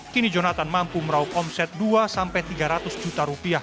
kini jonathan mampu meraup omset dua sampai tiga ratus juta rupiah